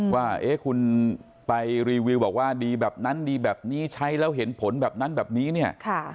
ว่าเอ๊ะคุณไปรีวิวบอกว่าดีแบบนั้นดีแบบนี้ใช้แล้วเห็นผลแบบนั้นแบบนี้เนี่ย